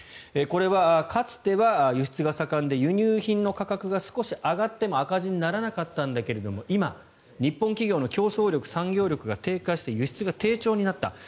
これはかつては輸出が盛んで輸入品の価格が少し上がっても赤字にならなかったんだけれども今、日本企業の競争力、産業力が低下して輸出が低調になった。